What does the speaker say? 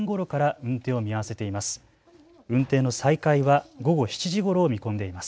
運転の再開は午後７時ごろを見込んでいます。